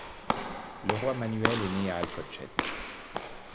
Le roi Manuel est né à Alcochete.